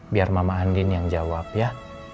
biar mama andin yang jawab ya